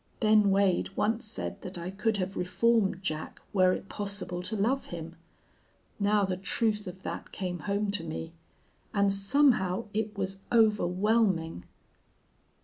Ben Wade once said that I could have reformed Jack were it possible to love him. Now the truth of that came home to me, and somehow it was overwhelming.